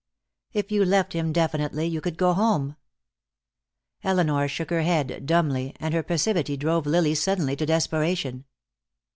"If you left him definitely, you could go home." Elinor shook her head, dumbly, and her passivity drove Lily suddenly to desperation.